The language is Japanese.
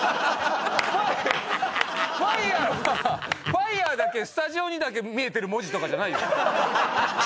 ＦＩＲＥだけスタジオにだけ見えてる文字とかじゃないよね？